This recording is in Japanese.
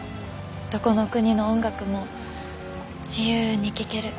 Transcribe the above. どこの国の音楽も自由に聴ける。